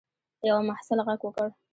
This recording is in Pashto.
یوه محصل غږ وکړ.